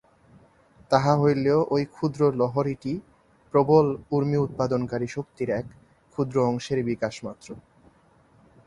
তাহা হইলেও ঐ ক্ষুদ্র লহরীটি প্রবল উর্মি-উৎপাদনকারী শক্তির এক ক্ষুদ্র অংশেরই বিকাশমাত্র।